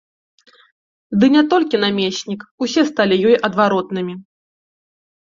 Ды не толькі намеснік, усе сталі ёй адваротнымі.